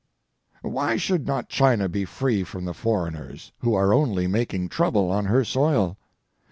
Why should not China be free from the foreigners, who are only making trouble on her soil?